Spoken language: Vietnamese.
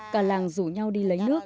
cả làng rủ nhau đi lấy nước